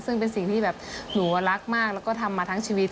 ซึ่งเป็นสิ่งที่แบบหนูรักมากแล้วก็ทำมาทั้งชีวิต